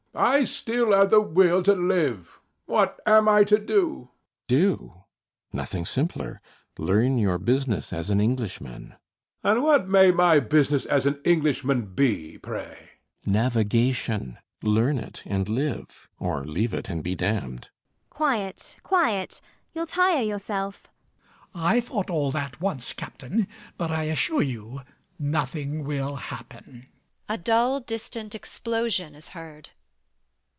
I still have the will to live. What am I to do? CAPTAIN SHOTOVER. Do? Nothing simpler. Learn your business as an Englishman. HECTOR. And what may my business as an Englishman be, pray? CAPTAIN SHOTOVER. Navigation. Learn it and live; or leave it and be damned. ELLIE. Quiet, quiet: you'll tire yourself. MAZZINI. I thought all that once, Captain; but I assure you nothing will happen. A dull distant explosion is heard.